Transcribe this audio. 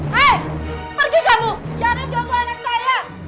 hei pergi kamu jangan ganggu anak saya